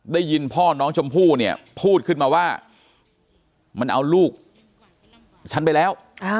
ได้ยินพ่อน้องชมพู่เนี่ยพูดขึ้นมาว่ามันเอาลูกฉันไปแล้ว